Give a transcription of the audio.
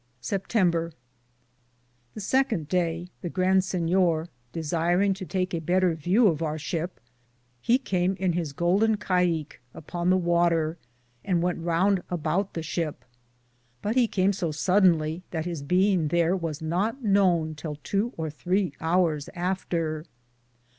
September. The seconde day, the Grand Sinyor desieringe to take a better vewe of our shipp, he came in his goulden kieke (caique) upon the watter, and wente round a boute the shipp ; but he came so sodonly that his beinge there was not knowne till 2 or 3 houres after.